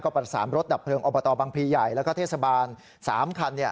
ประสานรถดับเพลิงอบตบังพลีใหญ่แล้วก็เทศบาล๓คัน